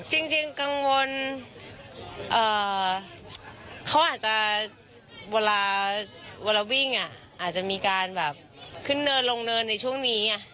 จริงกังวลเขาอาจจะเวลาวิ่งอาจจะมีการแบบขึ้นเนินลงเนินในช่วงนี้